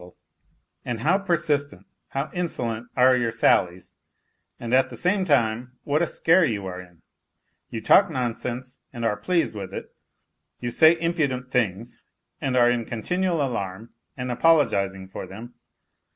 NOTES FROM UNDERGROUND 79 And how persistent, how insolent are your sallies, and at the same time what a scare you are in ! You talk nonsense and are pleased with it; you say impudent things and are in continual alarm and apologizing for them.